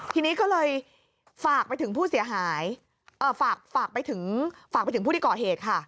ทีนี้ก็เลยฝากไปถึงผู้เสียหายฝากไปถึงฝากไปถึงผู้ที่ก่อเหตุค่ะ